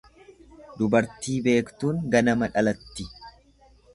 Dubartii beektuun ganama dhalatti.